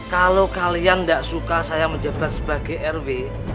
kalau kalian tidak suka saya menjabat sebagai rw